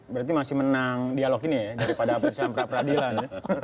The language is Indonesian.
berarti masih menang dialog ini ya daripada putusan pra peradilan